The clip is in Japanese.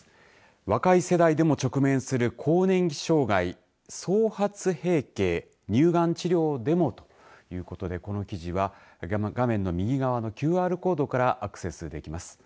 若い世代でも直面する更年期障害早発閉経乳がん治療でも、ということでこの記事は画面の右側のＱＲコードからアクセスできます。